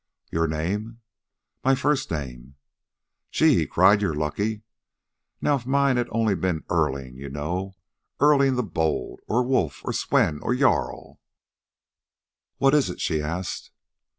"Your name?" "My first name." "Gee!" he cried. "You're lucky. Now if mine had been only Erling you know, Erling the Bold or Wolf, or Swen, or Jarl!" "What is it?" she asked.